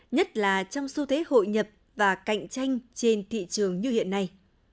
nhất là trong xu thế hội nhập và cạnh tranh trên thị trường như hiện nay